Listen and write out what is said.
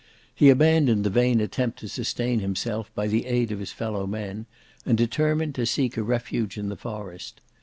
He abandoned the vain attempt to sustain himself by the aid of his fellow men, and determined to seek a refuge in the forest.